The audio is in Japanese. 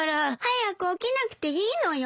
早く起きなくていいのよ。